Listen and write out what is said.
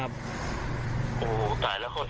๓ปีแล้วเนี้ย